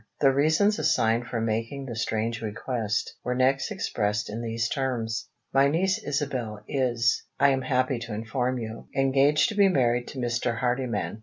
The reasons assigned for making the strange request were next expressed in these terms: "My niece Isabel is, I am happy to inform you, engaged to be married to Mr. Hardyman.